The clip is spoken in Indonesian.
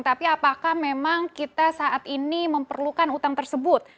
tapi apakah memang kita saat ini memerlukan utang tersebut